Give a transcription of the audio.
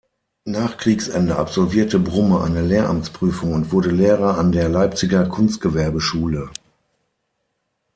Nach Kriegsende absolvierte Brumme eine Lehramtsprüfung und wurde Lehrer an der Leipziger Kunstgewerbeschule.